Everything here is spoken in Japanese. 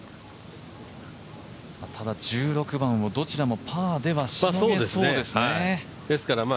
ただ１６番をどちらもパーではしのげそうですね。